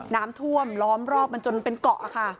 น้ำท่วมล้อมรอบมันจนเป็นเกาะค่ะ